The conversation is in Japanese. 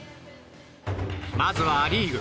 まずはア・リーグ。